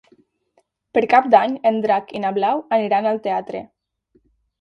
Per Cap d'Any en Drac i na Blau aniran al teatre.